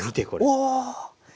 お！